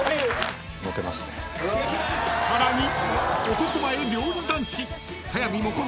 ［さらに］